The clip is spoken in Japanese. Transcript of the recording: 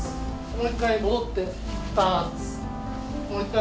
もう一回戻って３つ。